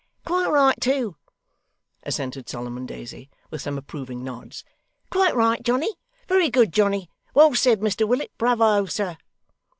'And quite right too,' assented Solomon Daisy with some approving nods; 'quite right, Johnny. Very good, Johnny. Well said, Mr Willet. Brayvo, sir.